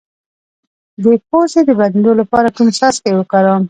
د پوزې د بندیدو لپاره کوم څاڅکي وکاروم؟